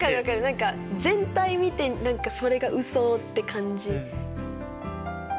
何か全体見て何かそれがうそって感じ。